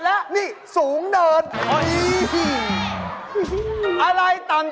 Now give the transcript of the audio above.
หมดละ